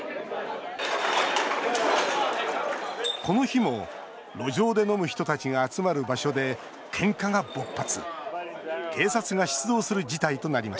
この日も路上で飲む人たちが集まる場所で、ケンカが勃発。